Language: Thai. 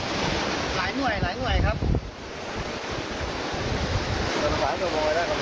ก็หลายหน่วยหลายหน่วยครับ